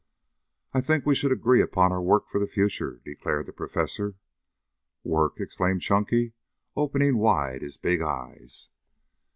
"I think we should agree upon our work for the future," declared the Professor. "Work?" exclaimed Chunky, opening wide his big eyes.